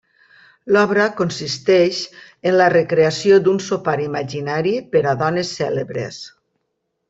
L’obra consisteix en la recreació d’un sopar imaginari per a dones cèlebres.